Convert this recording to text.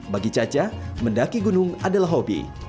bagi caca mendaki gunung adalah hobi